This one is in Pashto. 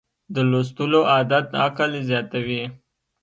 د لوستلو عادت عقل زیاتوي.